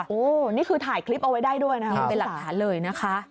โอ้โหนี่คือถ่ายคลิปเอาไว้ได้ด้วยนะคะเป็นหลักฐานเลยนะคะ